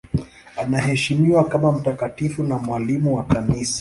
Anaheshimiwa kama mtakatifu na mwalimu wa Kanisa.